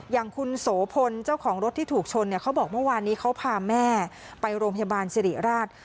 อย่างคุณโสพลเจ้าของรถที่ถูกชนเนี่ยเขาบอกเมื่อวานนี้เขาพาแม่ไปโรงพยาบาลสิริราช